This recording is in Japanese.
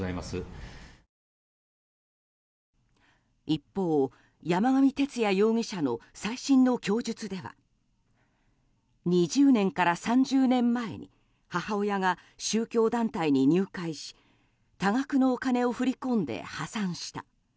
一方、山上徹也容疑者の最新の供述では２０年から３０年前母親が宗教団体に入会し多額のお金を振り込んで破産した。